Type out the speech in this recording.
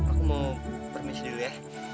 aku mau permisi dulu ya